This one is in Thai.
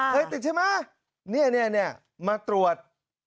ใช่ติดใช่มะนี่เนี่ยมาตรวจ